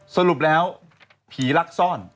สรุปแล้วผีลักซ่อน